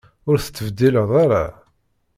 Ur tettbeddileḍ ara?